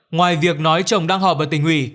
ngoài việc nói chồng đang họp ở tình hủy